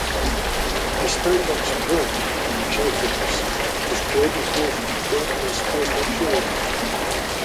A spandex brand, Sheiflex, is created in order to promote their spandex yarn.